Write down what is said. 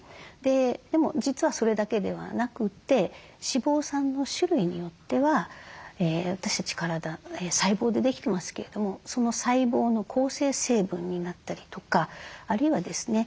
でも実はそれだけではなくて脂肪酸の種類によっては私たち体細胞でできてますけれどもその細胞の構成成分になったりとかあるいはですね